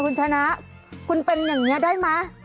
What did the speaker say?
คุณชนะคุณเป็นอย่างนี้ได้ไหม